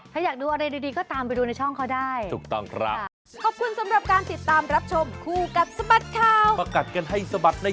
ถ้าอยากดูอะไรดีก็ตามไปดูในช่องเขาได้